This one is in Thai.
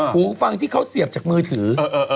หูฟังที่เขาเสียบจากมือถือ